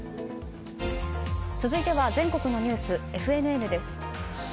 続いては全国のニュースＦＮＮです。